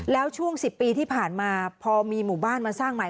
แล้วช่วง๑๐ปีที่ผ่านมาพอมีหมู่บ้านมาสร้างใหม่